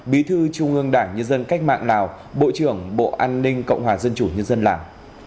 bí thư trung ương đảng nhân dân cách mạng lào bộ trưởng bộ an ninh cộng hòa dân chủ nhân dân lào